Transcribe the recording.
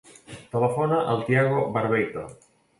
Telefona al Thiago Barbeito.